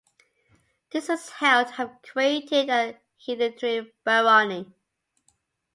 This is held to have created a hereditary barony.